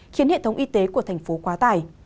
khiến hệ thống y tế của thành phố quá tải